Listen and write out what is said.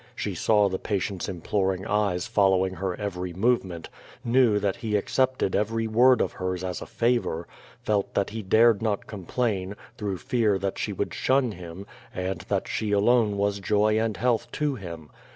She saw the pa tient's imploring eyes following lier every moment, knew that he accepted every word of hers as a favor, felt that he dared not complain, through fear that she would shun him, and that she alone was joy and health to him.